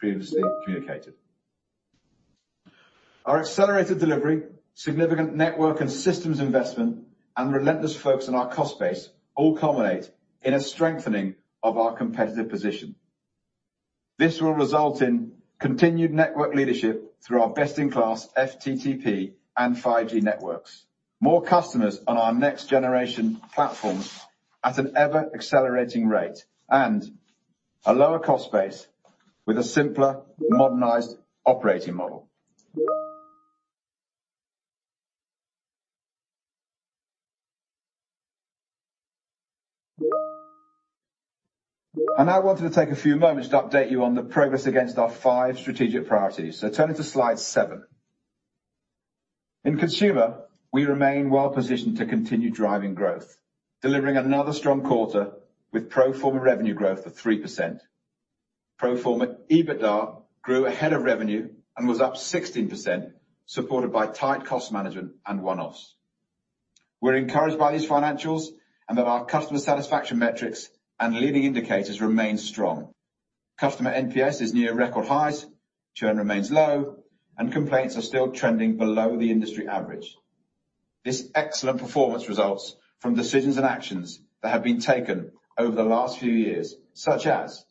Previously communicated. Our accelerated delivery, significant network and systems investment, and relentless focus on our cost base all culminate in a strengthening of our competitive position. This will result in continued network leadership through our best-in-class FTTP and 5G networks. More customers on our next generation platforms at an ever-accelerating rate and a lower cost base with a simpler, modernized operating model. I now wanted to take a few moments to update you on the progress against our five strategic priorities. Turning to slide seven. In consumer, we remain well-positioned to continue driving growth, delivering another strong quarter with pro forma revenue growth of 3%. Pro forma EBITDA grew ahead of revenue and was up 16%, supported by tight cost management and one-offs. We're encouraged by these financials and that our customer satisfaction metrics and leading indicators remain strong. Customer NPS is near record highs, churn remains low, and complaints are still trending below the industry average. This excellent performance results from decisions and actions that have been taken over the last few years, such as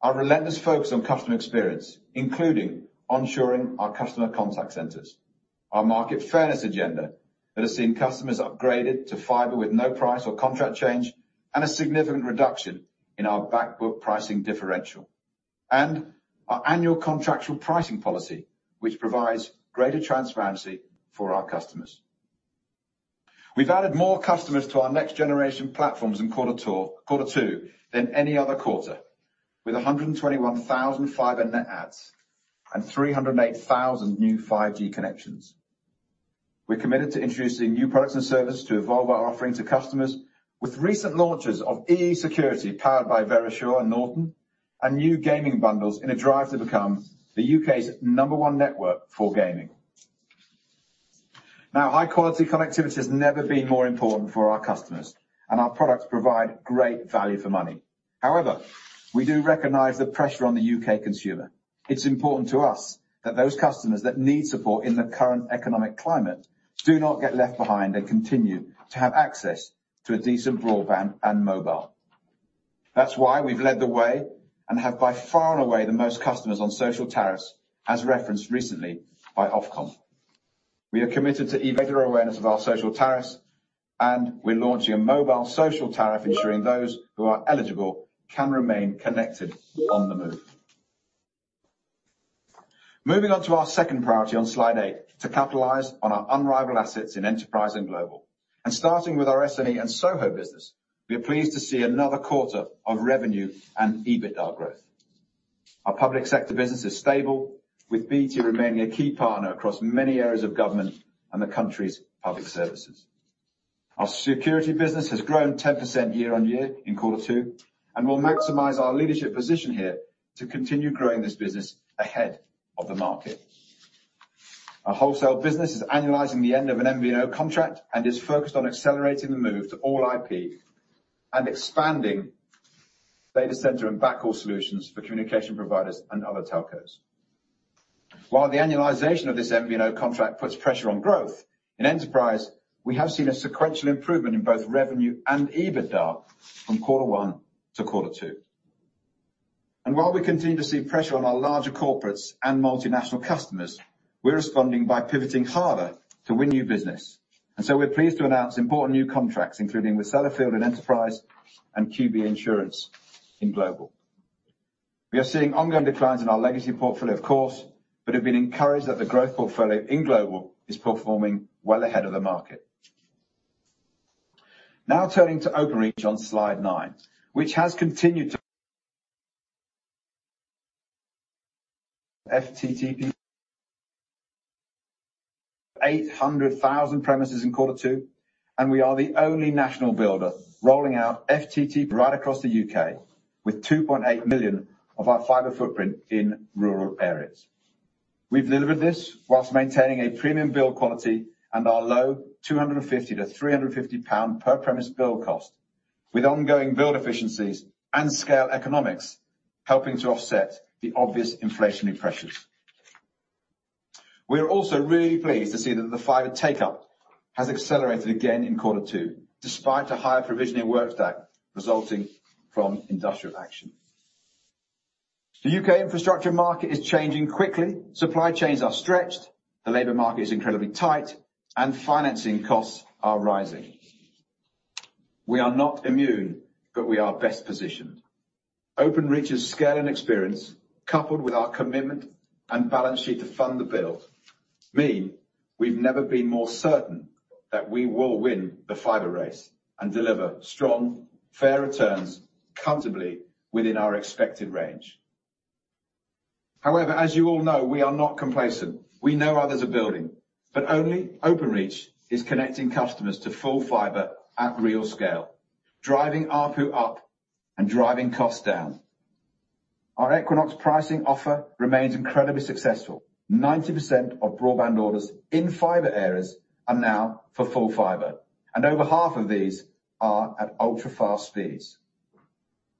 our relentless focus on customer experience, including onshoring our customer contact centers. Our market fairness agenda that has seen customers upgraded to fiber with no price or contract change and a significant reduction in our back book pricing differential. Our annual contractual pricing policy, which provides greater transparency for our customers. We've added more customers to our next generation platforms in quarter two than any other quarter. With 121,000 fiber net adds and 308,000 new 5G connections. We're committed to introducing new products and services to evolve our offering to customers with recent launches of EE Security powered by Verisure and Norton and new gaming bundles in a drive to become the U.K.'s number one network for gaming. Now, high-quality connectivity has never been more important for our customers, and our products provide great value for money. However, we do recognize the pressure on the U.K. consumer. It's important to us that those customers that need support in the current economic climate do not get left behind and continue to have access to a decent broadband and mobile. That's why we've led the way and have by far and away the most customers on social tariffs, as referenced recently by Ofcom. We are committed to elevating awareness of our social tariffs, and we're launching a mobile social tariff, ensuring those who are eligible can remain connected on the move. Moving on to our second priority on slide eight, to capitalize on our unrivaled assets in enterprise and global. Starting with our SME and SoHo business, we are pleased to see another quarter of revenue and EBITDA growth. Our public sector business is stable, with BT remaining a key partner across many areas of government and the country's public services. Our security business has grown 10% year-over-year in quarter two, and we'll maximize our leadership position here to continue growing this business ahead of the market. Our wholesale business is annualizing the end of an MVNO contract and is focused on accelerating the move to all-IP and expanding data center and backhaul solutions for communication providers and other telcos. While the annualization of this MVNO contract puts pressure on growth, in enterprise, we have seen a sequential improvement in both revenue and EBITDA from quarter one to quarter two. While we continue to see pressure on our larger corporates and multinational customers, we're responding by pivoting harder to win new business. We're pleased to announce important new contracts, including with Sellafield in enterprise and QBE Insurance in global. We are seeing ongoing declines in our legacy portfolio, of course, but have been encouraged that the growth portfolio in global is performing well ahead of the market. Now turning to Openreach on slide nine, which has continued to FTTP. 800,000 premises in quarter two, and we are the only national builder rolling out FTTP right across the U.K., with 2.8 million of our fiber footprint in rural areas. We've delivered this while maintaining a premium build quality and our low 250-350 pound per premise build cost, with ongoing build efficiencies and scale economics helping to offset the obvious inflationary pressures. We are also really pleased to see that the fiber take-up has accelerated again in quarter two, despite a higher provisioning work stack resulting from industrial action. The UK infrastructure market is changing quickly. Supply chains are stretched, the labor market is incredibly tight, and financing costs are rising. We are not immune, but we are best positioned. Openreach's scale and experience, coupled with our commitment and balance sheet to fund the build, mean we've never been more certain that we will win the fiber race and deliver strong, fair returns comfortably within our expected range. However, as you all know, we are not complacent. We know others are building, but only Openreach is connecting customers to full fiber at real scale, driving ARPU up and driving costs down. Our Equinox pricing offer remains incredibly successful. 90% of broadband orders in fiber areas are now for full fiber, and over half of these are at ultra-fast speeds.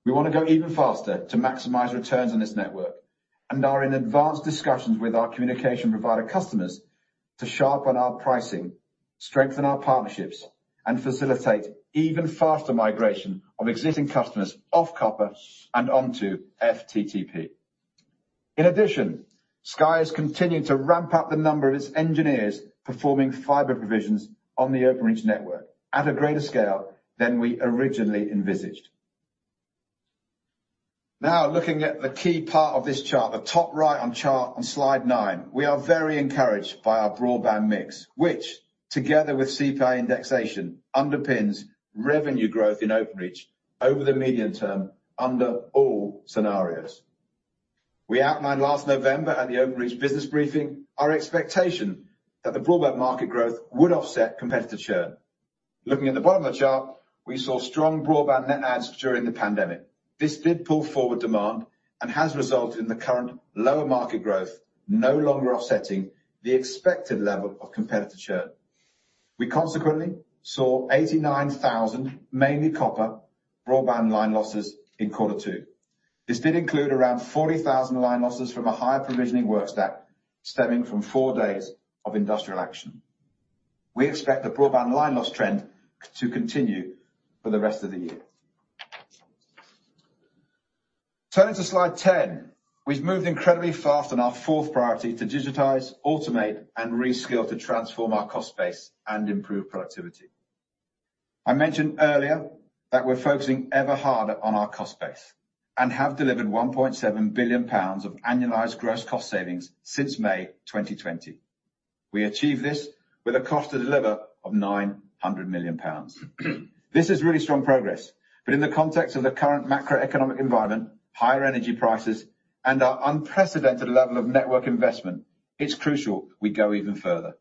We wanna go even faster to maximize returns on this network and are in advanced discussions with our communication provider customers to sharpen our pricing, strengthen our partnerships, and facilitate even faster migration of existing customers off copper and onto FTTP. In addition, Sky's continuing to ramp up the number of its engineers performing fiber provisions on the Openreach network at a greater scale than we originally envisaged. Now, looking at the key part of this chart, the top right on chart on slide nine, we are very encouraged by our broadband mix, which together with CPI indexation, underpins revenue growth in Openreach over the medium term under all scenarios. We outlined last November at the Openreach business briefing our expectation that the broadband market growth would offset competitor churn. Looking at the bottom of the chart, we saw strong broadband net adds during the pandemic. This did pull forward demand and has resulted in the current lower market growth no longer offsetting the expected level of competitor churn. We consequently saw 89,000, mainly copper, broadband line losses in quarter two. This did include around 40,000 line losses from a higher provisioning work step stemming from four days of industrial action. We expect the broadband line loss trend to continue for the rest of the year. Turning to slide 10. We've moved incredibly fast on our fourth priority to digitize, automate, and reskill to transform our cost base and improve productivity. I mentioned earlier that we're focusing ever harder on our cost base and have delivered 1.7 billion pounds of annualized gross cost savings since May 2020. We achieved this with a cost to deliver of 900 million pounds. This is really strong progress, but in the context of the current macroeconomic environment, higher energy prices, and our unprecedented level of network investment, it's crucial we go even further.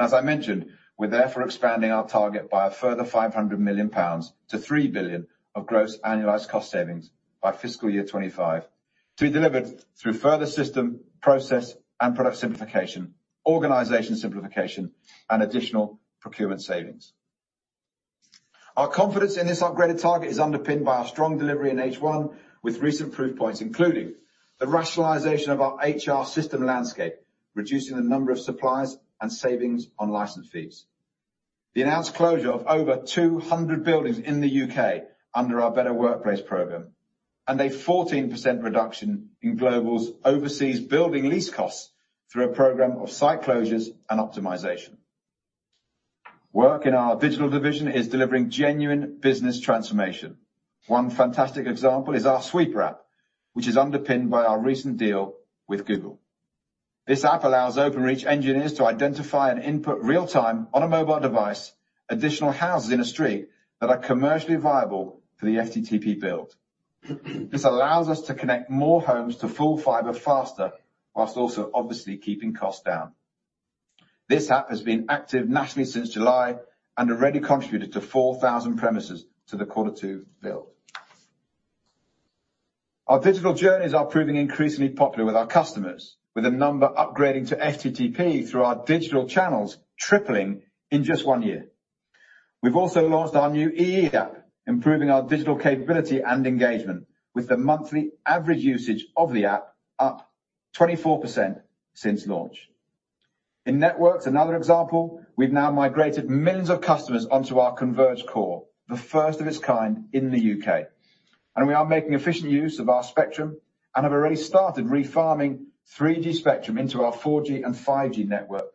As I mentioned, we're therefore expanding our target by a further 500 million pounds to 3 billion of gross annualized cost savings by fiscal year 2025, to be delivered through further system, process, and product simplification, organization simplification, and additional procurement savings. Our confidence in this upgraded target is underpinned by our strong delivery in H1 with recent proof points, including the rationalization of our HR system landscape, reducing the number of suppliers and savings on license fees, the announced closure of over 200 buildings in the U.K. under our Better Workplace program, and a 14% reduction in Global's overseas building lease costs through a program of site closures and optimization. Work in our digital division is delivering genuine business transformation. One fantastic example is our Sweeper app, which is underpinned by our recent deal with Google. This app allows Openreach engineers to identify and input real-time, on a mobile device, additional houses in a street that are commercially viable for the FTTP build. This allows us to connect more homes to full fiber faster, while also obviously keeping costs down. This app has been active nationally since July and already contributed to 4,000 premises to the quarter two build. Our digital journeys are proving increasingly popular with our customers, with a number upgrading to FTTP through our digital channels tripling in just one year. We've also launched our new EE app, improving our digital capability and engagement with the monthly average usage of the app up 24% since launch. In networks, another example, we've now migrated millions of customers onto our converged core, the first of its kind in the U.K. We are making efficient use of our spectrum and have already started refarming 3G spectrum into our 4G and 5G network,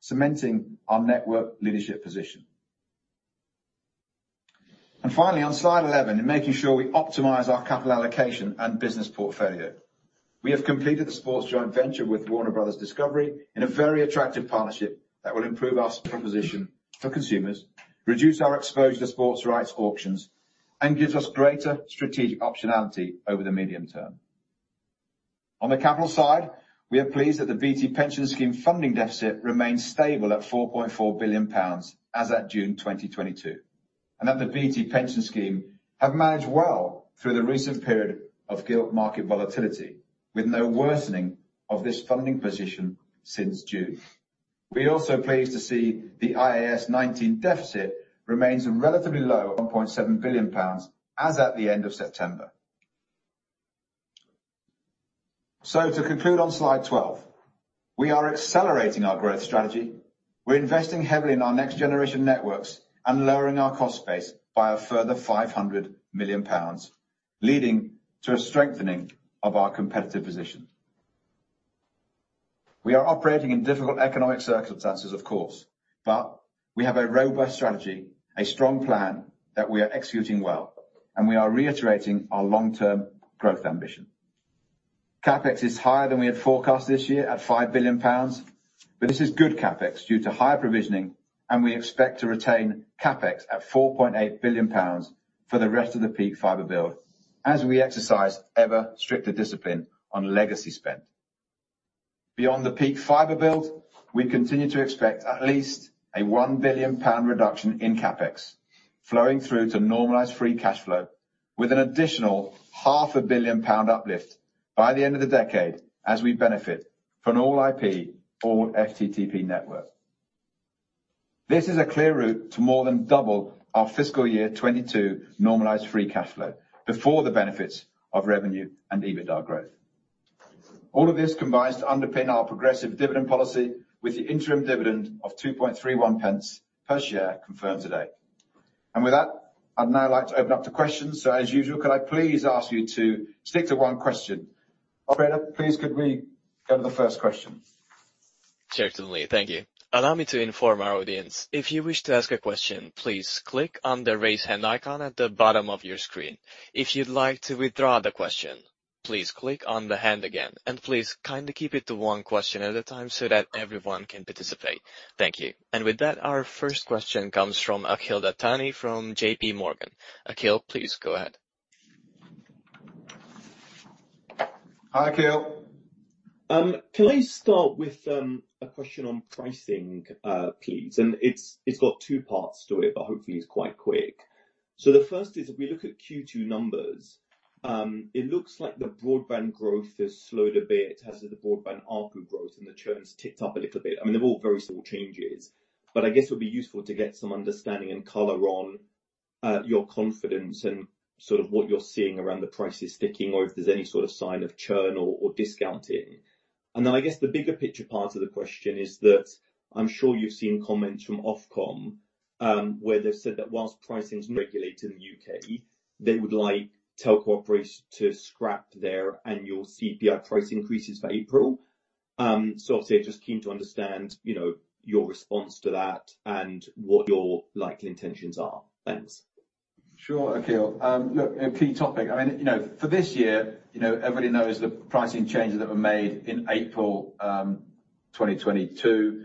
cementing our network leadership position. Finally, on slide 11, in making sure we optimize our capital allocation and business portfolio. We have completed the sports joint venture with Warner Bros. Discovery in a very attractive partnership that will improve our proposition for consumers, reduce our exposure to sports rights auctions, and gives us greater strategic optionality over the medium term. On the capital side, we are pleased that the BT Pension Scheme funding deficit remains stable at 4.4 billion pounds as at June 2022, and that the BT Pension Scheme have managed well through the recent period of gilt market volatility, with no worsening of this funding position since June. We're also pleased to see the IAS 19 deficit remains relatively low at GBP 1.7 billion as at the end of September. To conclude on slide 12, we are accelerating our growth strategy. We're investing heavily in our next generation networks and lowering our cost base by a further 500 million pounds, leading to a strengthening of our competitive position. We are operating in difficult economic circumstances, of course, but we have a robust strategy, a strong plan that we are executing well, and we are reiterating our long-term growth ambition. CapEx is higher than we had forecast this year at 5 billion pounds, but this is good CapEx due to higher provisioning, and we expect to retain CapEx at 4.8 billion pounds for the rest of the peak fiber build as we exercise ever stricter discipline on legacy spend. Beyond the peak fiber build, we continue to expect at least a 1 billion pound reduction in CapEx flowing through to normalized free cash flow, with an additional half a billion pound uplift by the end of the decade as we benefit from an all-IP, all-FTTP network. This is a clear route to more than double our fiscal year 2022 normalized free cash flow before the benefits of revenue and EBITDA growth. All of this combines to underpin our progressive dividend policy with the interim dividend of 2.31 per share confirmed today. With that, I'd now like to open up to questions. As usual, could I please ask you to stick to one question? Operator, please could we go to the first question. Certainly. Thank you. Allow me to inform our audience. If you wish to ask a question, please click on the Raise Hand icon at the bottom of your screen. If you'd like to withdraw the question, please click on the hand again, and please kindly keep it to one question at a time so that everyone can participate. Thank you. With that, our first question comes from Akhil Dattani from JPMorgan. Akhil, please go ahead. Hi, Akhil. Can I start with a question on pricing, please? It's got two parts to it, but hopefully it's quite quick. The first is we look at Q2 numbers, it looks like the broadband growth has slowed a bit. The broadband ARPU growth and the churn's ticked up a little bit. I mean, they're all very small changes, but I guess it would be useful to get some understanding and color on your confidence and sort of what you're seeing around the prices sticking or if there's any sort of sign of churn or discounting. The bigger picture part of the question is that I'm sure you've seen comments from Ofcom, where they've said that while pricing is regulated in the U.K., they would like telco operators to scrap their annual CPI price increases for April. Obviously I'm just keen to understand, you know, your response to that and what your likely intentions are. Thanks. Sure, Akhil. Look, a key topic. I mean, you know, for this year, you know, everybody knows the pricing changes that were made in April 2022.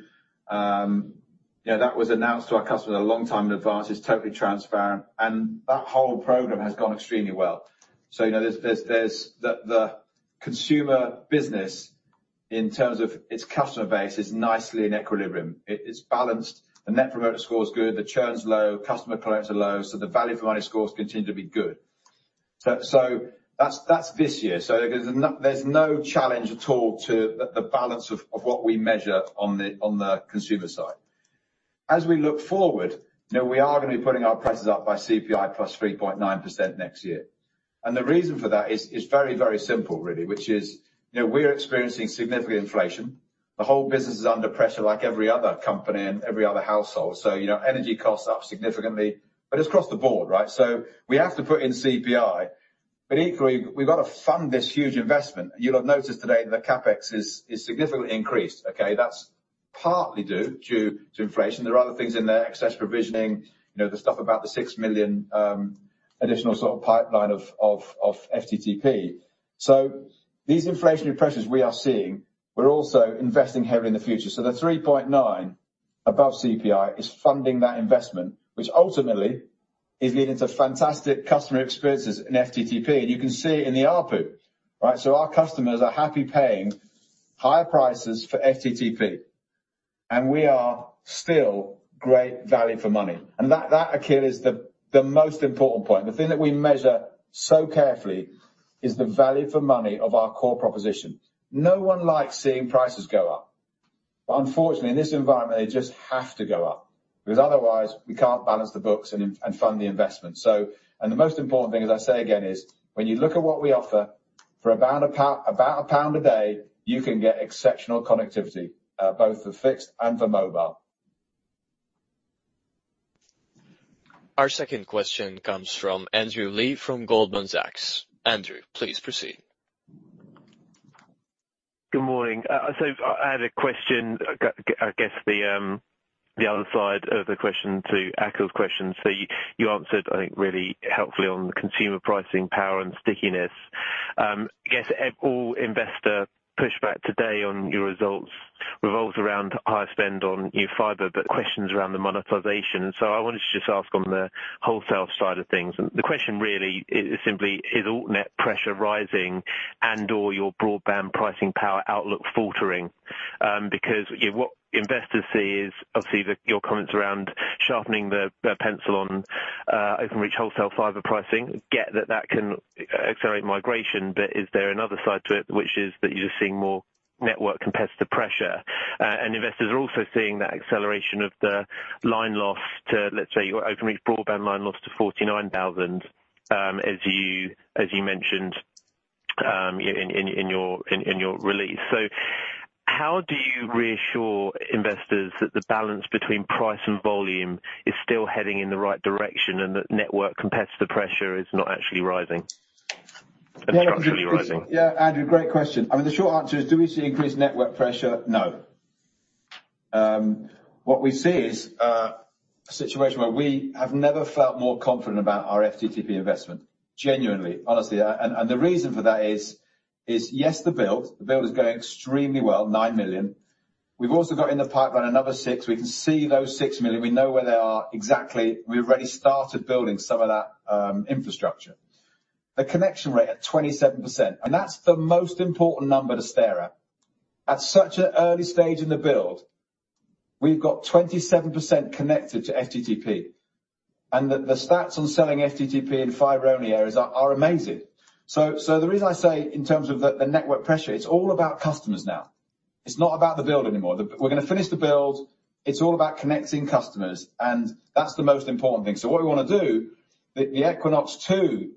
You know, that was announced to our customers a long time in advance. It's totally transparent, and that whole program has gone extremely well. You know, there's the consumer business in terms of its customer base is nicely in equilibrium. It's balanced. The net promoter score is good. The churn's low. Customer complaints are low. The value for money scores continue to be good. That's this year. There's no challenge at all to the balance of what we measure on the consumer side. As we look forward, you know, we are gonna be putting our prices up by CPI plus 3.9% next year. The reason for that is very, very simple, really, which is, you know, we're experiencing significant inflation. The whole business is under pressure like every other company and every other household. You know, energy costs are up significantly, but it's across the board, right? We have to put in CPI. But equally, we've got to fund this huge investment. You'll have noticed today that CapEx is significantly increased, okay? That's partly due to inflation. There are other things in there, excess provisioning, you know, the stuff about the 6 million additional sort of pipeline of FTTP. These inflationary pressures we are seeing, we're also investing heavily in the future. The 3.9% above CPI is funding that investment, which ultimately is leading to fantastic customer experiences in FTTP. You can see it in the ARPU, right? Our customers are happy paying higher prices for FTTP, and we are still great value for money. That, Akhil, is the most important point. The thing that we measure so carefully is the value for money of our core proposition. No one likes seeing prices go up. Unfortunately, in this environment, they just have to go up, because otherwise we can't balance the books and fund the investment. The most important thing, as I say again, is when you look at what we offer for about GBP 1 a day, you can get exceptional connectivity, both for fixed and for mobile. Our second question comes from Andrew Lee from Goldman Sachs. Andrew, please proceed. Good morning. I had a question. I guess the other side of the question to Akhil's question. You answered, I think, really helpfully on the consumer pricing power and stickiness. I guess all investor pushback today on your results revolves around higher spend on fiber, but questions around the monetization. I wanted to just ask on the wholesale side of things. The question really is simply AltNet pressure rising and/or your broadband pricing power outlook faltering? Because, you know, what investors see is obviously your comments around sharpening the pencil on Openreach wholesale fiber pricing, get that can accelerate migration. Is there another side to it, which is that you're just seeing more network competitor pressure? Investors are also seeing that acceleration of the line loss to, let's say, your Openreach broadband line loss to 49,000, as you mentioned, in your release. How do you reassure investors that the balance between price and volume is still heading in the right direction and that network competition pressure is not actually rising, structurally rising? Yeah, Andrew, great question. I mean, the short answer is do we see increased network pressure? No. What we see is a situation where we have never felt more confident about our FTTP investment. Genuinely, honestly. The reason for that is, yes, the build. The build is going extremely well, 9 million. We've also got in the pipeline another 6 million. We can see those 6 million. We know where they are exactly. We've already started building some of that infrastructure. The connection rate at 27%, and that's the most important number to stare at. At such an early stage in the build, we've got 27% connected to FTTP. The stats on selling FTTP in fiber-only areas are amazing. The reason I say in terms of the network pressure, it's all about customers now. It's not about the build anymore. We're gonna finish the build, it's all about connecting customers, and that's the most important thing. What we wanna do, Equinox 2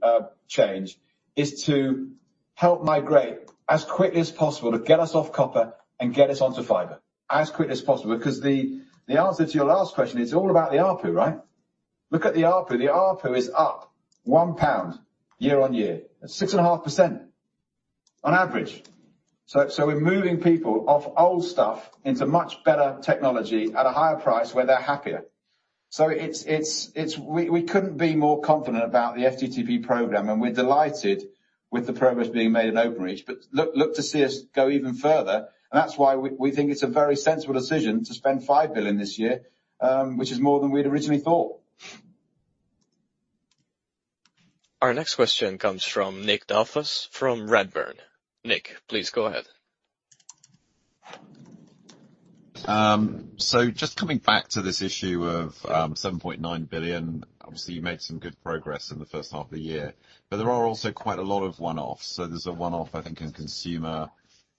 change, is to help migrate as quickly as possible to get us off copper and get us onto fiber as quickly as possible. 'Cause the answer to your last question, it's all about the ARPU, right? Look at the ARPU. The ARPU is up 1 pound year-over-year. That's 6.5% on average. We're moving people off old stuff into much better technology at a higher price where they're happier. We couldn't be more confident about the FTTP program, and we're delighted with the progress being made at Openreach. Look to see us go even further, and that's why we think it's a very sensible decision to spend 5 billion this year, which is more than we'd originally thought. Our next question comes from Nick Delfas from Redburn. Nick, please go ahead. Just coming back to this issue of 7.9 billion. Obviously, you made some good progress in the first half of the year, but there are also quite a lot of one-offs. There's a one-off, I think in consumer,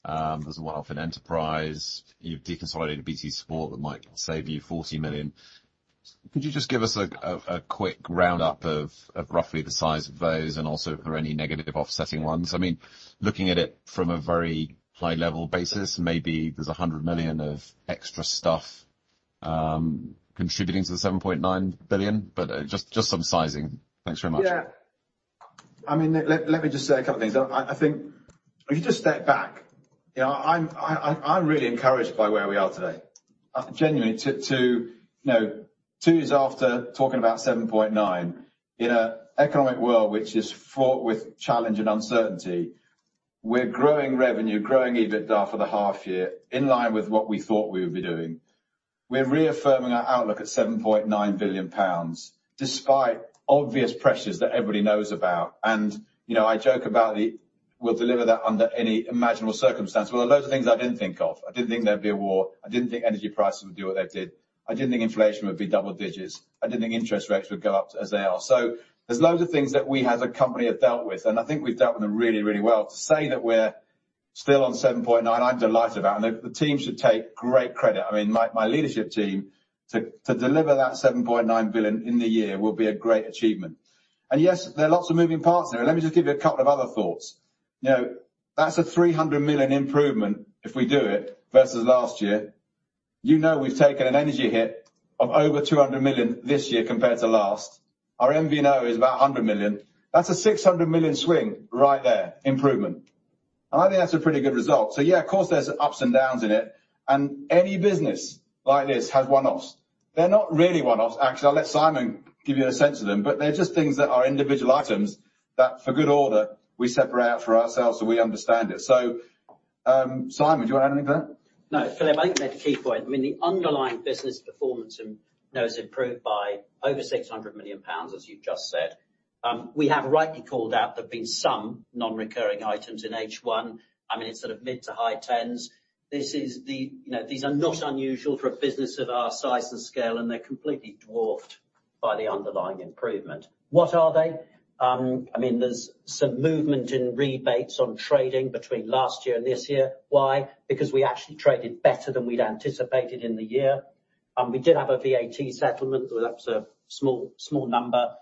there's a one-off in enterprise. You've deconsolidated BT Sport that might save you 40 million. Could you just give us a quick roundup of roughly the size of those and also for any negative offsetting ones? I mean, looking at it from a very high-level basis, maybe there's 100 million of extra stuff contributing to the 7.9 billion, but just some sizing. Thanks very much. Yeah. I mean, Nick, let me just say a couple of things. I think if you just step back, you know, I'm really encouraged by where we are today. Genuinely, too, you know, two years after talking about 7.9 billion, in an economic world which is fraught with challenge and uncertainty, we're growing revenue, growing EBITDA for the half year in line with what we would be doing. We're reaffirming our outlook at 7.9 billion pounds, despite obvious pressures that everybody knows about. You know, I joke about we'll deliver that under any imaginable circumstance. Well, there are loads of things I didn't think of. I didn't think there'd be a war. I didn't think energy prices would do what they did. I didn't think inflation would be double digits. I didn't think interest rates would go up as they are. There's loads of things that we as a company have dealt with, and I think we've dealt with them really, really well. To say that we're still on 7.9, I'm delighted about, and the team should take great credit. I mean, my leadership team to deliver that 7.9 billion in the year will be a great achievement. Yes, there are lots of moving parts there. Let me just give you a couple of other thoughts. You know, that's a 300 million improvement if we do it versus last year. You know we've taken an energy hit of over 200 million this year compared to last. Our MVNO is about 100 million. That's a 600 million swing right there, improvement. I think that's a pretty good result. Yeah, of course, there's ups and downs in it and any business like this has one-offs. They're not really one-offs, actually. I'll let Simon give you a sense of them, but they're just things that are individual items that for good order, we separate out for ourselves, so we understand it. Simon, do you wanna add anything to that? No. Philip, I think you made a key point. I mean, the underlying business performance has, you know, has improved by over 600 million pounds, as you've just said. We have rightly called out there've been some non-recurring items in H1. I mean, it's sort of mid- to high tens. You know, these are not unusual for a business of our size and scale, and they're completely dwarfed by the underlying improvement. What are they? I mean, there's some movement in rebates on trading between last year and this year. Why? Because we actually traded better than we'd anticipated in the year. We did have a VAT settlement. Well, that was a small number.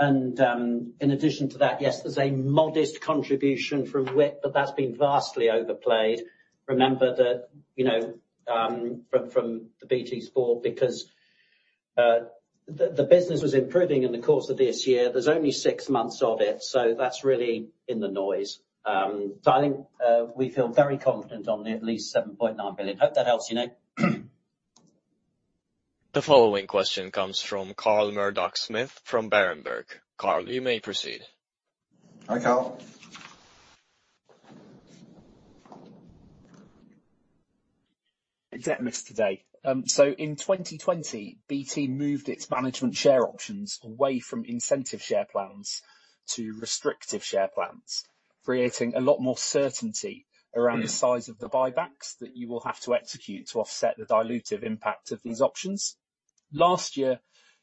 In addition to that, yes, there's a modest contribution from WIP, but that's been vastly overplayed. Remember that, you know, from the BT Sport, because the business was improving in the course of this year. There's only six months of it, so that's really in the noise. I think we feel very confident on the at least 7.9 billion. Hope that helps you, Nick. The following question comes from Carl Murdock-Smith from Berenberg. Carl, you may proceed. Hi, Carl. Debt mix today. In 2020, BT moved its management share options away from incentive share plans to restricted share plans, creating a lot more certainty. Mm. Around the size of the buybacks that you will have to execute to offset the dilutive impact of these options. Last year,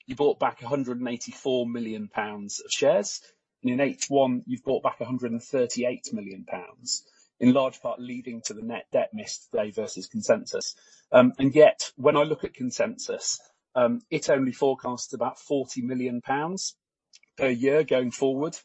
you bought back 184 million pounds of shares. In H1, you've bought back 138 million pounds, in large part leading to the net debt miss today versus consensus. Yet, when I look at consensus, it only forecasts about 40 million pounds per year going forward,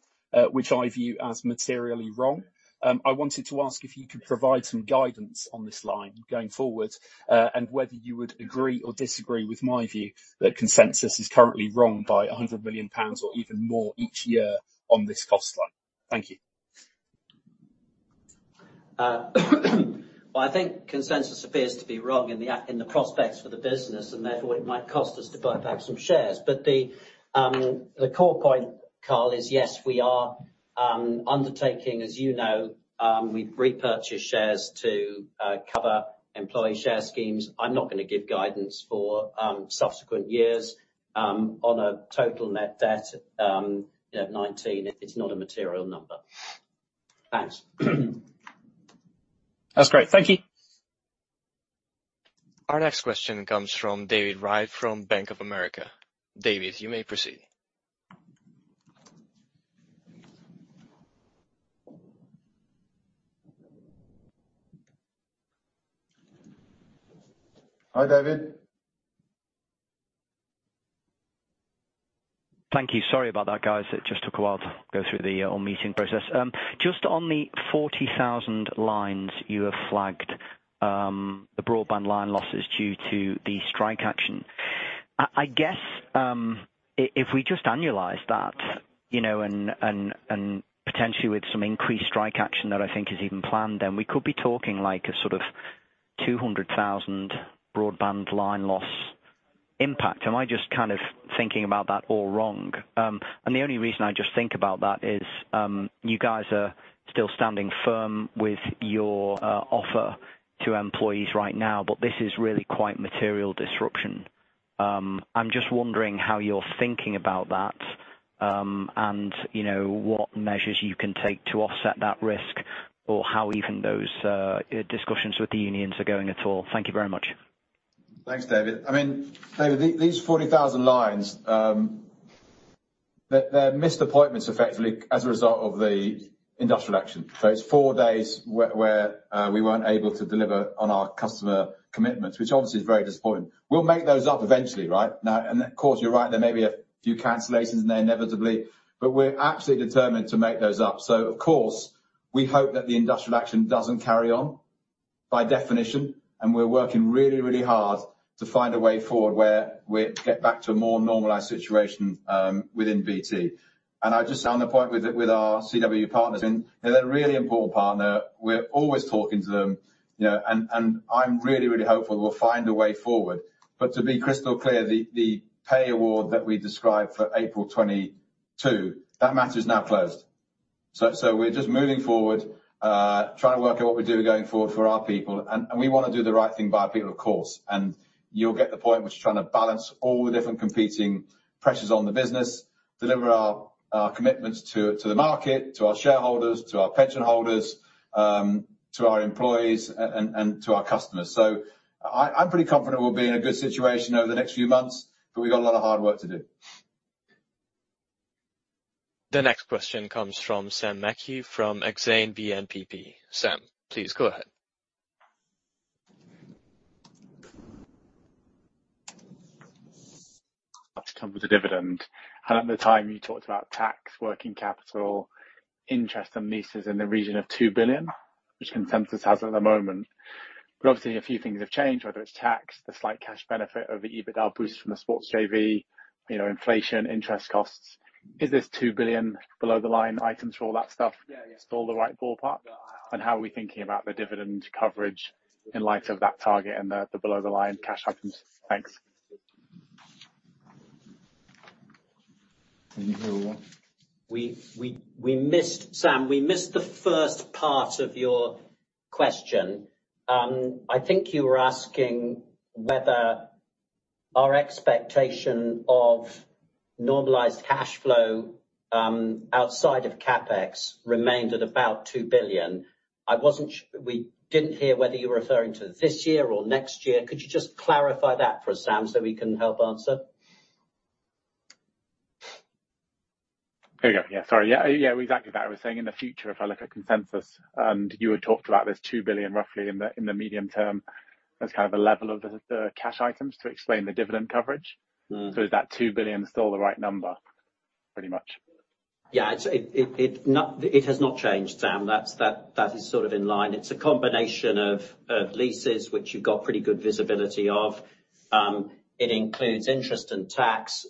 which I view as materially wrong. I wanted to ask if you could provide some guidance on this line going forward, and whether you would agree or disagree with my view that consensus is currently wrong by 100 million pounds or even more each year on this cost line. Thank you. Well, I think consensus appears to be wrong in the prospects for the business, and therefore it might cost us to buy back some shares. The core point, Carl, is yes, we are undertaking, as you know, we've repurchased shares to cover employee share schemes. I'm not gonna give guidance for subsequent years. On total net debt in 2019, it's not a material number. Thanks. That's great. Thank you. Our next question comes from David Wright from Bank of America. David, you may proceed. Hi, David. Thank you. Sorry about that, guys. It just took a while to go through the online meeting process. Just on the 40,000 lines you have flagged, the broadband line losses due to the strike action. I guess if we just annualize that, you know, and potentially with some increased strike action that I think is even planned, then we could be talking like a sort of 200,000 broadband line loss impact. Am I just kind of thinking about that all wrong? The only reason I just think about that is you guys are still standing firm with your offer to employees right now, but this is really quite material disruption. I'm just wondering how you're thinking about that, and, you know, what measures you can take to offset that risk or how even those discussions with the unions are going at all? Thank you very much. Thanks, David. I mean, David, these 40,000 lines, they're missed appointments effectively as a result of the industrial action. It's four days where we weren't able to deliver on our customer commitments, which obviously is very disappointing. We'll make those up eventually, right? Now, of course you're right, there may be a few cancellations in there inevitably, but we're absolutely determined to make those up. Of course, we hope that the industrial action doesn't carry on by definition, and we're working really, really hard to find a way forward where we get back to a more normalized situation within BT. I just on the point with our CWU partners, and they're a really important partner. We're always talking to them, you know, and I'm really, really hopeful we'll find a way forward. To be crystal clear, the pay award that we described for April 2022, that matter is now closed. We're just moving forward, trying to work out what we do going forward for our people and we wanna do the right thing by our people, of course. You'll get the point, we're trying to balance all the different competing pressures on the business, deliver our commitments to the market, to our shareholders, to our pension holders, to our employees, and to our customers. I'm pretty confident we'll be in a good situation over the next few months, but we've got a lot of hard work to do. The next question comes from Sam McHugh from Exane BNP Paribas. Sam, please go ahead. To come with the dividend. At the time you talked about tax, working capital, interest and leases in the region of 2 billion, which consensus has at the moment. Obviously a few things have changed, whether it's tax, the slight cash benefit of the EBITDA boost from the sports JV, you know, inflation, interest costs. Is this 2 billion below the line items for all that stuff? Yeah. Still the right ballpark? Yeah. How are we thinking about the dividend coverage in light of that target and the below the line cash items? Thanks. Can you hear all that? Sam, we missed the first part of your question. I think you were asking whether our expectation of normalized cash flow outside of CapEx remained at about 2 billion. We didn't hear whether you were referring to this year or next year. Could you just clarify that for us, Sam, so we can help answer? There you go. Yeah. Sorry. Yeah, yeah, exactly that. I was saying in the future, if I look at consensus, and you had talked about this 2 billion roughly in the medium term as kind of a level of the cash items to explain the dividend coverage. Mm. Is that 2 billion still the right number? Pretty much. Yeah. It has not changed, Sam. That is sort of in line. It's a combination of leases, which you've got pretty good visibility of. It includes interest and tax.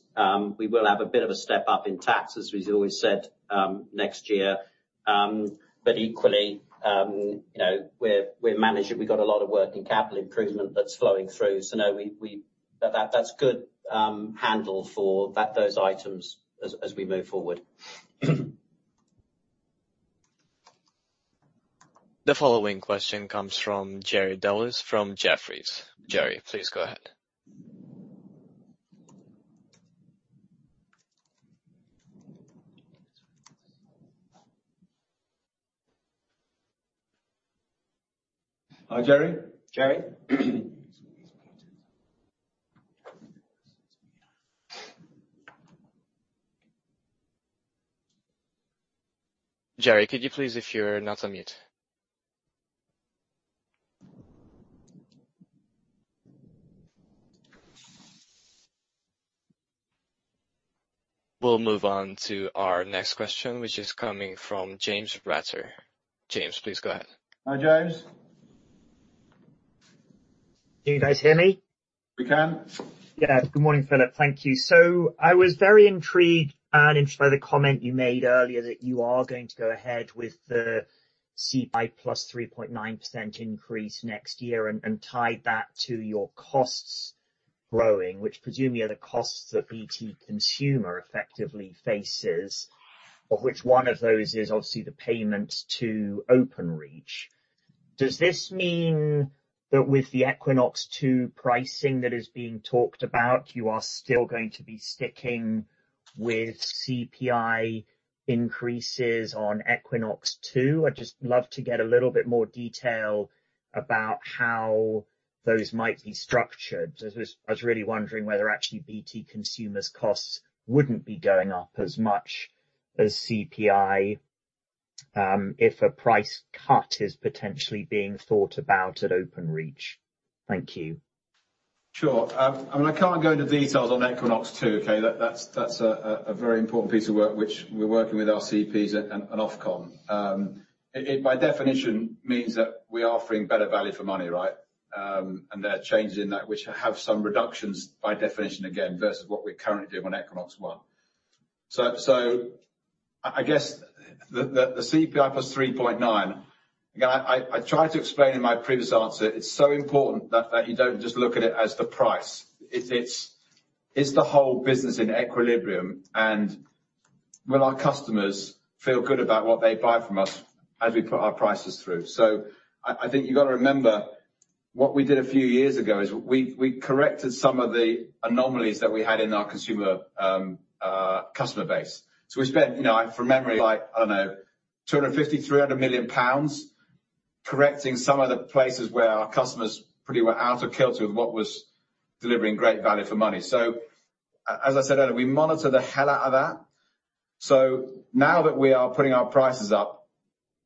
We will have a bit of a step up in tax, as we've always said, next year. But equally, you know, we're managing. We've got a lot of working capital improvement that's flowing through. No, that's a good handle for those items as we move forward. The following question comes from Jerry Dellis from Jefferies. Jerry, please go ahead. Hi, Jerry. Jerry? Jerry, could you please if you're not on mute. We'll move on to our next question, which is coming from James Ratzer. James, please go ahead. Hi, James. Can you guys hear me? We can. Yeah. Good morning, Philip. Thank you. I was very intrigued and interested by the comment you made earlier that you are going to go ahead with the CPI plus 3.9% increase next year and tie that to your costs. -growing, which presumably are the costs that BT Consumer effectively faces, of which one of those is obviously the payment to Openreach. Does this mean that with the Equinox 2 pricing that is being talked about, you are still going to be sticking with CPI increases on Equinox 2? I'd just love to get a little bit more detail about how those might be structured. I was really wondering whether actually BT Consumer's costs wouldn't be going up as much as CPI, if a price cut is potentially being thought about at Openreach. Thank you. Sure. I mean, I can't go into details on Equinox 2, okay? That's a very important piece of work which we're working with our CPs and Ofcom. It by definition means that we are offering better value for money, right? And there are changes in that which have some reductions by definition again versus what we currently do on Equinox 1. So I guess the CPI plus 3.9%, again, I tried to explain in my previous answer, it's so important that you don't just look at it as the price. It's the whole business in equilibrium. Will our customers feel good about what they buy from us as we put our prices through? I think you've got to remember what we did a few years ago is we corrected some of the anomalies that we had in our consumer customer base. We spent, you know, from memory like, I don't know, 250 million-300 million pounds correcting some of the places where our customer base was pretty out of kilter with what was delivering great value for money. As I said earlier, we monitor the hell out of that. Now that we are putting our prices up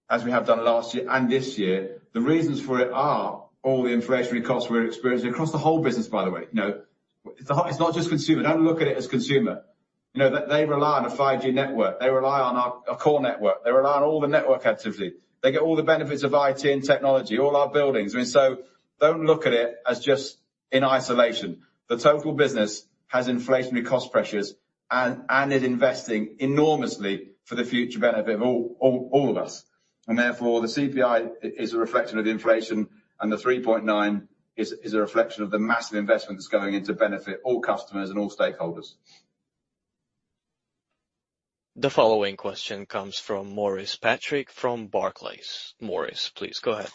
as we have done last year and this year, the reasons for it are all the inflationary costs we're experiencing across the whole business, by the way. You know, it's not just consumer. Don't look at it as consumer. You know, they rely on a 5G network. They rely on our core network. They rely on all the network activity. They get all the benefits of IT and technology, all our buildings. I mean, don't look at it as just in isolation. The total business has inflationary cost pressures and is investing enormously for the future benefit of all of us. Therefore, the CPI is a reflection of inflation, and the 3.9% is a reflection of the massive investment that's going in to benefit all customers and all stakeholders. The following question comes from Maurice Patrick from Barclays. Maurice, please go ahead.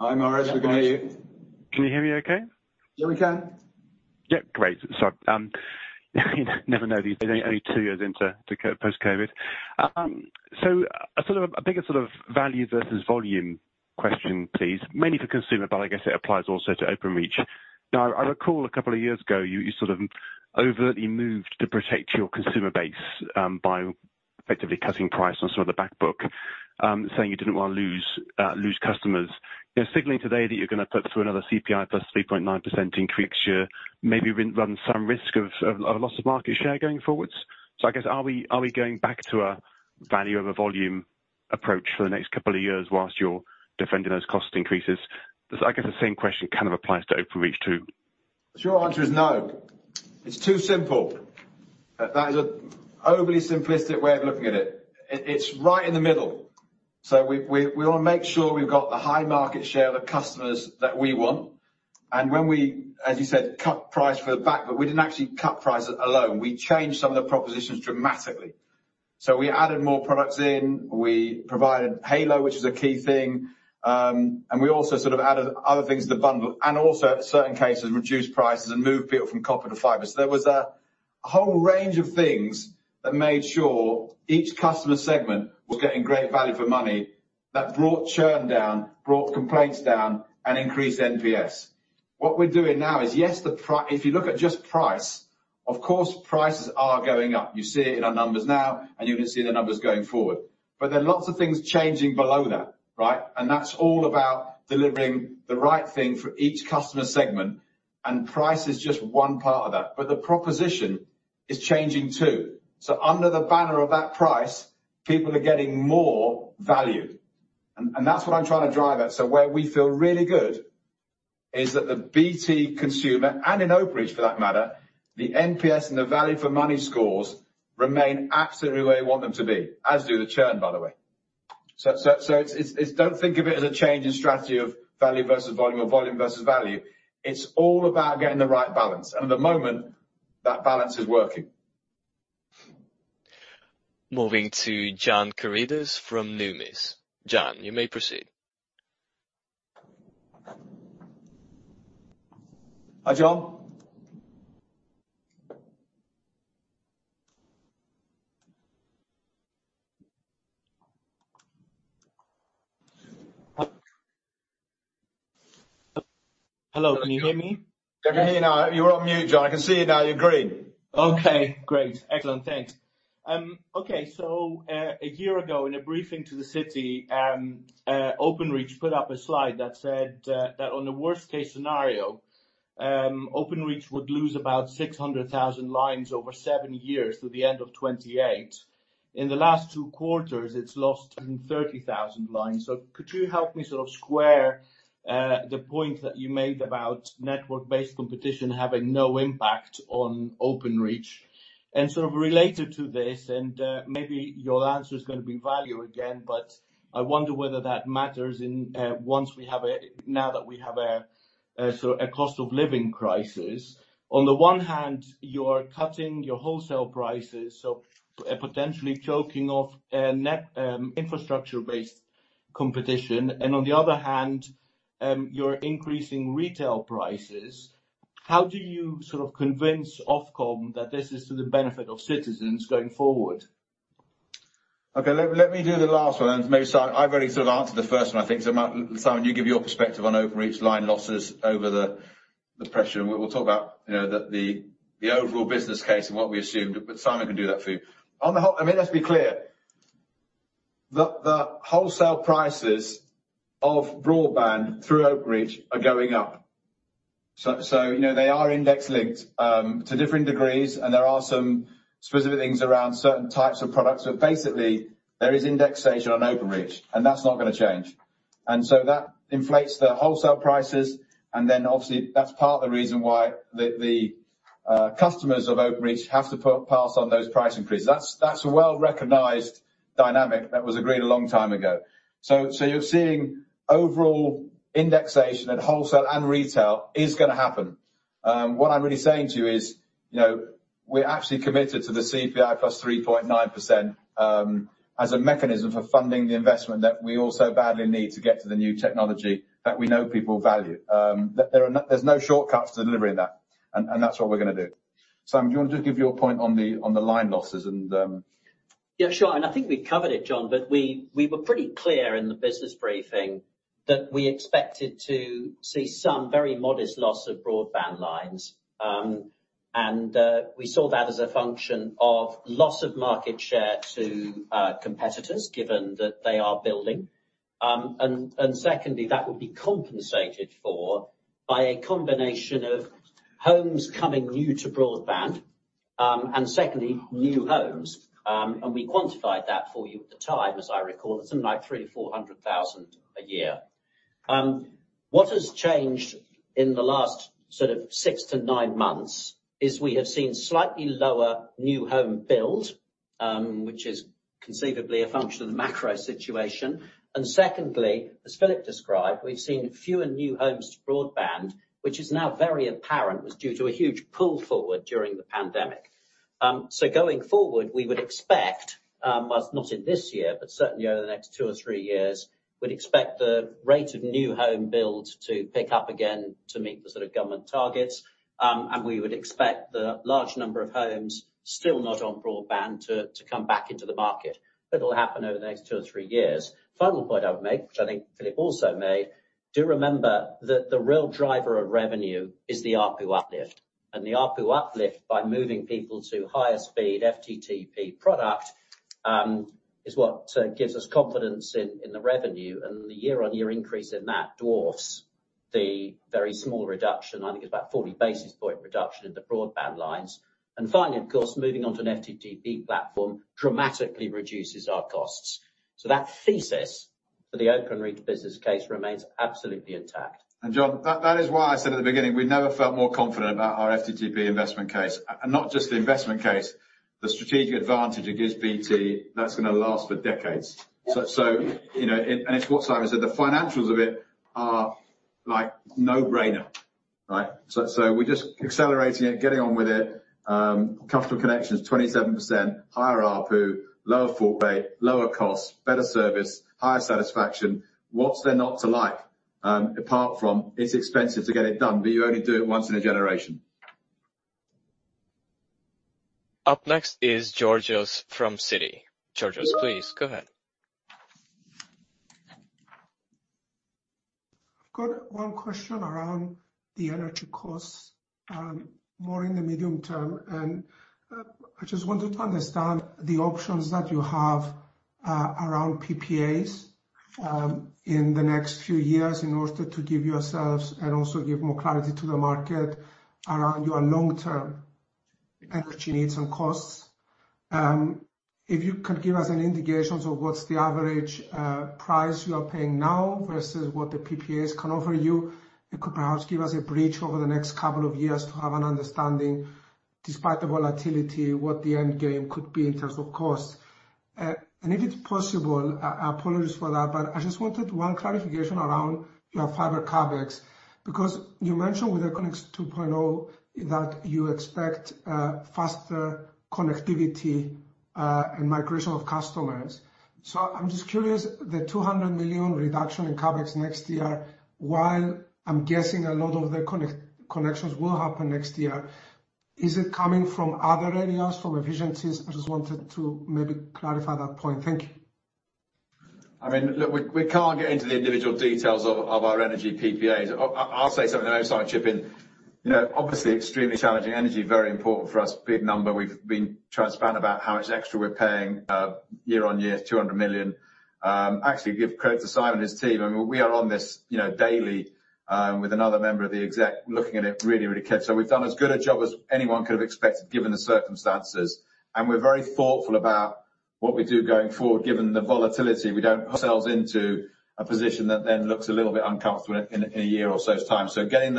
Hi, Maurice. We can hear you. Can you hear me okay? Yeah, we can. Yeah. Great. Sorry. You never know these days, only two years into post-COVID. A bigger sort of value versus volume question, please. Mainly for consumer, but I guess it applies also to Openreach. Now, I recall a couple of years ago, you sort of overtly moved to protect your consumer base by effectively cutting price on some of the back book, saying you didn't want to lose customers. You're signaling today that you're gonna put through another CPI plus 3.9% increase year. Maybe run some risk of a loss of market share going forward. I guess, are we going back to a value over volume approach for the next couple of years while you're defending those cost increases? I guess the same question kind of applies to Openreach too. The short answer is no. It's too simple. That is an overly simplistic way of looking at it. It's right in the middle. We wanna make sure we've got the high market share of the customers that we want. When we, as you said, cut prices for the back book, but we didn't actually cut prices alone. We changed some of the propositions dramatically. We added more products in, we provided Halo, which is a key thing, and we also sort of added other things to the bundle and also in certain cases reduced prices and moved people from copper to fiber. There was a whole range of things that made sure each customer segment was getting great value for money that brought churn down, brought complaints down, and increased NPS. What we're doing now is, yes. If you look at just price, of course, prices are going up. You see it in our numbers now, and you're gonna see the numbers going forward. There are lots of things changing below that, right? That's all about delivering the right thing for each customer segment, and price is just one part of that. The proposition is changing too. Under the banner of that price, people are getting more value. That's what I'm trying to drive at. Where we feel really good is that the BT Consumer, and in Openreach for that matter, the NPS and the value for money scores remain absolutely where we want them to be, as do the churn, by the way. Don't think of it as a change in strategy of value versus volume or volume versus value. It's all about getting the right balance. At the moment, that balance is working. Moving to John Karidis from Numis. John, you may proceed. Hi, John Karidis. Hello, can you hear me? I can hear you now. You're on mute, John. I can see you now. You're green. Okay, great. Excellent. Thanks. A year ago in a briefing to the City, Openreach put up a slide that said that on the worst case scenario, Openreach would lose about 600,000 lines over seven years through the end of 2028. In the last two quarters, it's lost 30,000 lines. Could you help me sort of square the point that you made about network-based competition having no impact on Openreach? Sort of related to this, maybe your answer is gonna be value again, but I wonder whether that matters in now that we have a cost of living crisis. On the one hand, you're cutting your wholesale prices, so potentially choking off net infrastructure-based competition, and on the other hand, you're increasing retail prices. How do you sort of convince Ofcom that this is to the benefit of citizens going forward? Okay. Let me do the last one, and maybe Simon. I've already sort of answered the first one, I think, so Simon, you give your perspective on Openreach line losses over the pressure. We'll talk about, you know, the overall business case and what we assumed, but Simon can do that for you. On the whole, I mean, let's be clear. The wholesale prices of broadband through Openreach are going up. So, you know, they are index-linked to different degrees, and there are some specific things around certain types of products. But basically, there is indexation on Openreach, and that's not gonna change. That inflates the wholesale prices, and then obviously that's part of the reason why the customers of Openreach have to pass on those price increases. That's a well-recognized dynamic that was agreed a long time ago. You're seeing overall indexation at wholesale and retail is gonna happen. What I'm really saying to you is, you know, we're actually committed to the CPI plus 3.9%, as a mechanism for funding the investment that we all so badly need to get to the new technology that we know people value. There's no shortcut to delivering that, and that's what we're gonna do. Simon, do you want to give your point on the line losses and- Yeah, sure. I think we covered it, John, but we were pretty clear in the business briefing that we expected to see some very modest loss of broadband lines. We saw that as a function of loss of market share to competitors, given that they are building. Secondly, that would be compensated for by a combination of homes coming new to broadband, and secondly, new homes. We quantified that for you at the time, as I recall. It's something like 300,000-400,000 a year. What has changed in the last sort of six-nine months is we have seen slightly lower new home build, which is conceivably a function of the macro situation. Secondly, as Philip described, we've seen fewer new homes to broadband, which is now very apparent was due to a huge pull forward during the pandemic. Going forward, we would expect, well not in this year, but certainly over the next two or three years, we'd expect the rate of new home build to pick up again to meet the sort of government targets. We would expect the large number of homes still not on broadband to come back into the market. But it'll happen over the next two or three years. Final point I would make, which I think Philip also made, do remember that the real driver of revenue is the ARPU uplift. The ARPU uplift by moving people to higher speed FTTP product is what gives us confidence in the revenue. The year-on-year increase in that dwarfs the very small reduction, I think it's about 40 basis point reduction, in the broadband lines. Finally, of course, moving onto an FTTP platform dramatically reduces our costs. That thesis for the Openreach business case remains absolutely intact. John, that is why I said at the beginning, we've never felt more confident about our FTTP investment case. Not just the investment case, the strategic advantage it gives BT, that's gonna last for decades. You know, it's what Simon said, the financials of it are like no-brainer, right? We're just accelerating it, getting on with it. Customer connections 27%, higher ARPU, lower fault rate, lower costs, better service, higher satisfaction. What's there not to like, apart from it's expensive to get it done, but you only do it once in a generation. Up next is Georgios from Citi. Georgios, please go ahead. I've got one question around the energy costs, more in the medium term. I just wanted to understand the options that you have, around PPAs, in the next few years in order to give yourselves and also give more clarity to the market around your long-term energy needs and costs. If you could give us an indication of what's the average price you are paying now versus what the PPAs can offer you, it could perhaps give us a bridge over the next couple of years to have an understanding, despite the volatility, what the end game could be in terms of costs. If it's possible, apologies for that, but I just wanted one clarification around your fiber CapEx, because you mentioned with the Equinox 2.0 that you expect, faster connectivity, and migration of customers. I'm just curious, the 200 million reduction in CapEx next year, while I'm guessing a lot of the connections will happen next year, is it coming from other areas, from efficiencies? I just wanted to maybe clarify that point. Thank you. I mean, look, we can't get into the individual details of our energy PPAs. I'll say something, then maybe Simon chip in. You know, obviously extremely challenging energy, very important for us, big number. We've been transparent about how much extra we're paying, year on year, 200 million. Actually give credit to Simon and his team. I mean, we are on this, you know, daily, with another member of the exec, looking at it really carefully. We've done as good a job as anyone could have expected, given the circumstances. We're very thoughtful about what we do going forward, given the volatility. We don't tie ourselves into a position that then looks a little bit uncomfortable in a year or so's time. Getting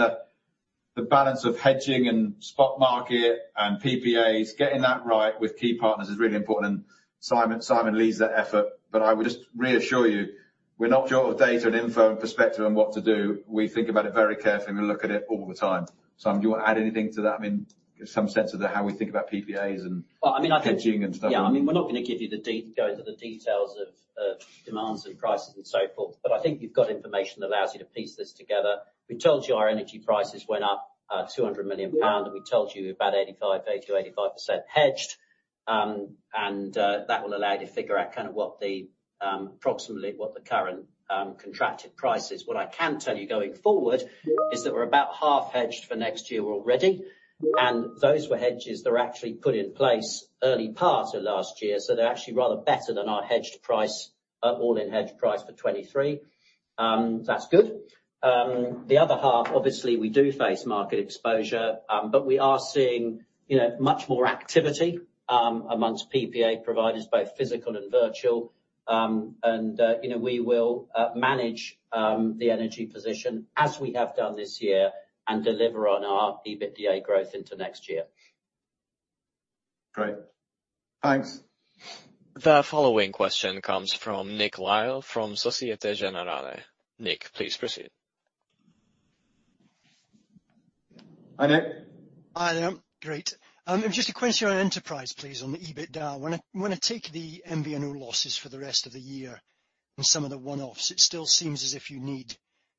the balance of hedging and spot market and PPAs, getting that right with key partners is really important. Simon leads that effort. I would just reassure you, we're not short of data and info and perspective on what to do. We think about it very carefully, and we look at it all the time. Simon, do you wanna add anything to that? I mean, give some sense of how we think about PPAs and Well, I mean, I think. Hedging and stuff. Yeah. I mean, we're not gonna give you the go into the details of demands and prices and so forth, but I think you've got information that allows you to piece this together. We told you our energy prices went up 200 million pound. We told you about 80%-85% hedged. That will allow you to figure out kind of approximately what the current contracted price is. What I can tell you going forward is that we're about half hedged for next year already, and those were hedges that were actually put in place early part of last year. They're actually rather better than our hedged price, all-in hedged price for 2023. That's good. The other half, obviously, we do face market exposure, but we are seeing, you know, much more activity among PPA providers, both physical and virtual. You know, we will manage the energy position as we have done this year and deliver on our EBITDA growth into next year. Great. Thanks. The following question comes from Nick Lyall from Société Générale. Nick, please proceed. Hi, Nick. Hi there. Great. Just a question on Enterprise, please, on the EBITDA. When I take the MVNO losses for the rest of the year and some of the one-offs, it still seems as if you need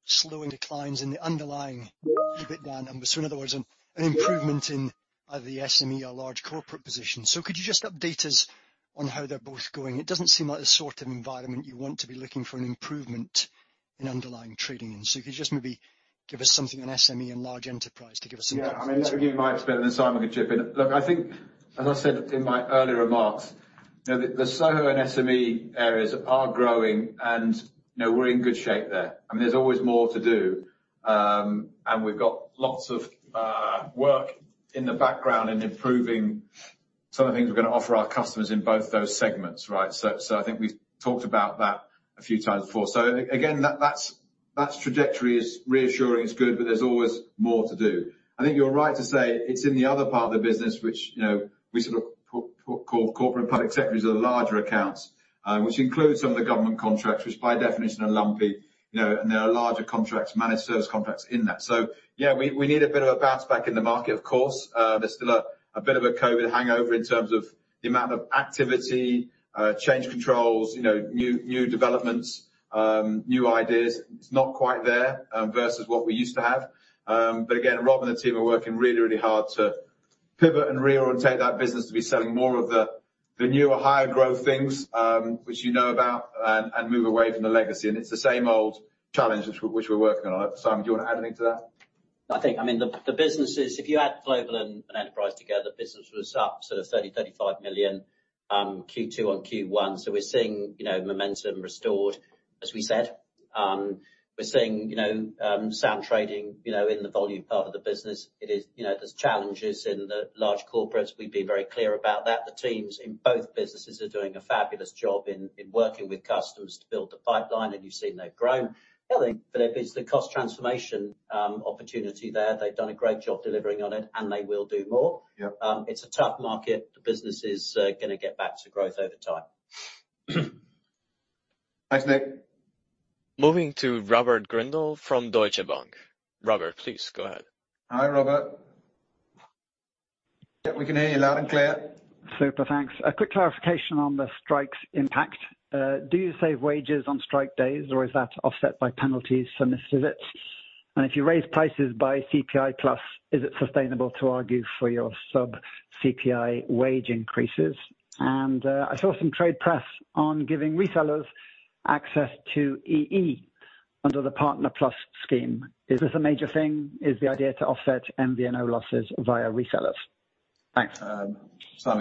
slowing declines in the underlying EBITDA numbers. In other words, an improvement in either the SME or large corporate position. Could you just update us on how they're both going? It doesn't seem like the sort of environment you want to be looking for an improvement in underlying trading. If you could just maybe give us something on SME and large enterprise to give us some context. Yeah. I mean, let me give my experience, and Simon can chip in. Look, I think as I said in my earlier remarks, you know, the SoHo and SME areas are growing, and you know, we're in good shape there. I mean, there's always more to do. And we've got lots of work in the background in improving some of the things we're gonna offer our customers in both those segments, right? So I think we've talked about that a few times before. So again, that's trajectory is reassuring. It's good, but there's always more to do. I think you're right to say it's in the other part of the business, which, you know, we sort of call corporate and public sector. These are the larger accounts, which includes some of the government contracts, which by definition are lumpy. You know, there are larger contracts, managed service contracts in that. Yeah, we need a bit of a bounce back in the market, of course. There's still a bit of a COVID hangover in terms of the amount of activity, change controls, you know, new developments, new ideas. It's not quite there, versus what we used to have. Again, Rob and the team are working really hard to pivot and reorientate that business to be selling more of the newer, higher growth things, which you know about, and move away from the legacy. It's the same old challenge which we're working on. Simon, do you wanna add anything to that? I think, I mean, the businesses, if you add global and enterprise together, business was up sort of 30 million-35 million, Q2 on Q1. We're seeing, you know, momentum restored, as we said. We're seeing, you know, sound trading, you know, in the volume part of the business. It is, you know, there's challenges in the large corporates. We've been very clear about that. The teams in both businesses are doing a fabulous job in working with customers to build the pipeline, and you've seen they've grown. Yeah, I think there is the cost transformation opportunity there. They've done a great job delivering on it and they will do more. Yep. It's a tough market. The business is gonna get back to growth over time. Thanks, Nick. Moving to Robert Grindle from Deutsche Bank. Robert, please go ahead. Hi, Robert. Yeah, we can hear you loud and clear. Super. Thanks. A quick clarification on the strike's impact. Do you save wages on strike days, or is that offset by penalties from missed visits? If you raise prices by CPI plus, is it sustainable to argue for your sub CPI wage increases? I saw some trade press on giving resellers access to EE under the Partner Plus scheme. Is this a major thing? Is the idea to offset MVNO losses via resellers? Thanks. Simon,